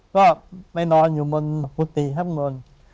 ก็ไปนอนอยู่บนหุติทั้งโน่น